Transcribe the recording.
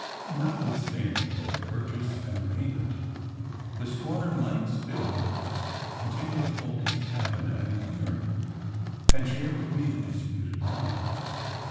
Notwithstanding both purchase and payment, the squatter might still continue to hold his cabin and clearing and share with me the disputed land.